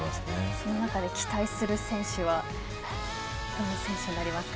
その中で期待する選手はどの選手になりますか。